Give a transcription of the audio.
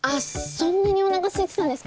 そんなにおなかすいてたんですか？